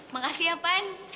makasih ya pan